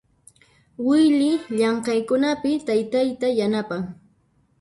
Wily llamk'aykunapi taytayta yanapan.